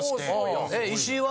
石井は？